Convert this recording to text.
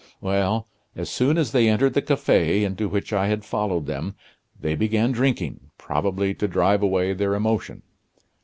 "Well, as soon as they entered the cafe, into which I had followed them, they began drinking, probably to drive away their emotion.